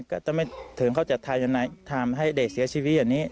ก็จะไม่ถึงเขาจะทายทำให้เด็กเสียชีวิตอย่างนี้